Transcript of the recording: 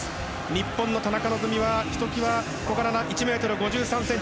日本の田中希実はひときわ小柄な１ｍ５３ｃｍ